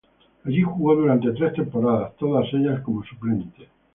Allí jugó durante tres temporadas, todas ellas como suplente.